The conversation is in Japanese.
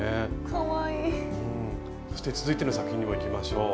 そして続いての作品にもいきましょう。